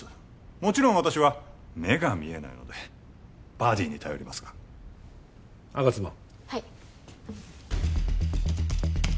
もちろん私は目が見えないのでバディに頼りますが吾妻はい